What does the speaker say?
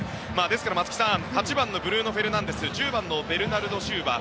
ですから、松木さん８番のブルーノ・フェルナンデス１０番のベルナルド・シウバ。